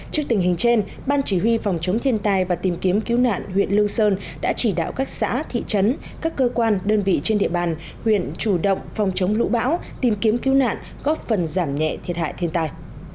trước tình hình trên ban chỉ huy phòng chống thiên tai và tìm kiếm cứu nạn huyện lương sơn đã chỉ đạo các xã thị trấn các cơ quan đơn vị trên địa bàn huyện chủ động phòng chống lũ bão tìm kiếm cứu nạn góp phần giảm nhẹ thiệt hại thiên tai